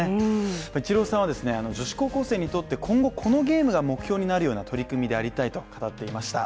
イチローさんは、女子高校生にとって今後、このゲームが目標になるような取り組みでありたいと語っていました。